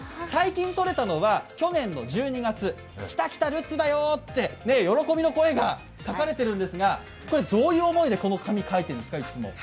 最近とれたのは去年の１２月、「きたきた、るっつだよ」って喜びの声が書かれてるんですがこれどういう思いで、紙、いつも書いているんですか？